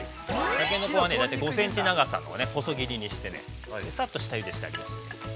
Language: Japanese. タケノコは大体５センチ長さの細切りにしてねさっと下ゆでしてあります。